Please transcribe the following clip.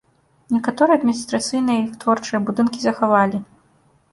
Некаторыя адміністрацыйныя і вытворчыя будынкі захавалі.